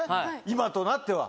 今となっては。